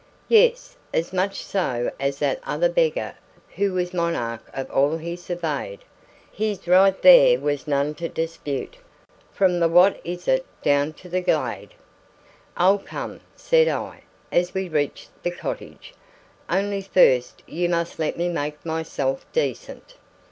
"Yes; as much so as that other beggar who was monarch of all he surveyed, his right there was none to dispute, from the what is it down to the glade " "I'll come," said I, as we reached the cottage. "Only first you must let me make myself decent."